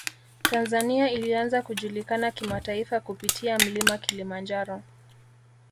tanzania ilianza kujulikana kimataifa kupitia mlima kilimanjaro